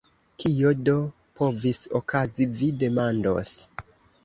Kio do povis okazi, vi demandos.